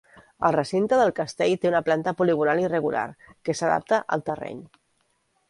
El recinte del castell té una planta poligonal irregular, que s'adapta al terreny.